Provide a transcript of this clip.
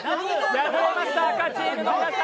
敗れました赤チームの皆さん